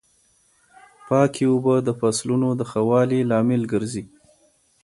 پاکې اوبه د فصلونو د ښه والي لامل ګرځي.